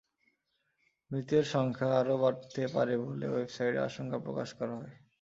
মৃতের সংখ্যা আরও বাড়তে পারে বলে ওয়েবসাইটে আশঙ্কা প্রকাশ করা হয়।